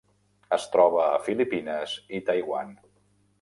Es troba a Filipines i Taiwan.